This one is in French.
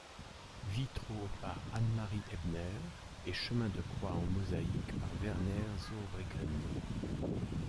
Vitraux par Anne-Marie Ebner et chemin de croix en mosaïque par Werner Zurbriggen.